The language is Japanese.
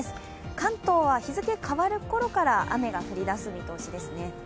関東は日付変わる頃から雨が降りだす見通しですね。